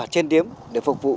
trên điếm để phục vụ